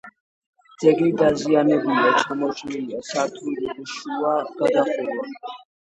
ძეგლი დაზიანებულია, ჩამოშლილია სართულშუა გადახურვა.